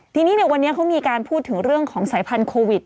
ทีนี้วันนี้เขามีการพูดถึงเรื่องของสายพันธุวิต